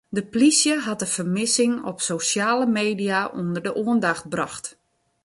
De plysje hat de fermissing op sosjale media ûnder de oandacht brocht.